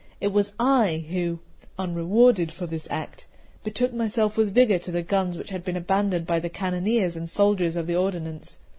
It was I who, unrewarded for this act, betook myself with vigour to the guns which had been abandoned by the cannoneers and soldiers of the ordnance.